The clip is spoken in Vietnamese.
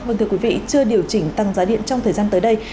vâng thưa quý vị chưa điều chỉnh tăng giá điện trong thời gian tới đây